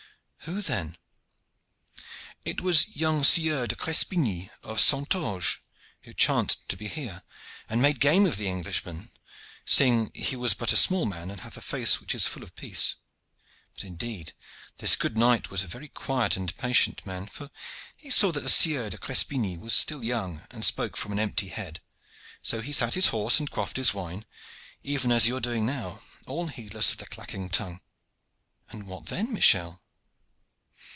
"Who, then?" "It was young Sieur de Crespigny of Saintonge, who chanced to be here, and made game of the Englishman, seeing that he was but a small man and hath a face which is full of peace. But indeed this good knight was a very quiet and patient man, for he saw that the Sieur de Crespigny was still young and spoke from an empty head, so he sat his horse and quaffed his wine, even as you are doing now, all heedless of the clacking tongue." "And what then, Michel?"